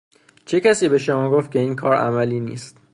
چه کسی به شما گفت که این کار عملی نیست.